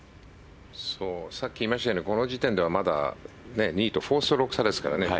さっき言いましたがこの時点では、まだ２位と４ストローク差ですからね。